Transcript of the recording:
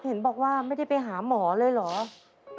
เห็นบอกว่าไม่ได้ไปหาหมอเลยเหรอ